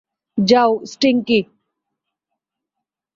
যাও, স্টিংকি!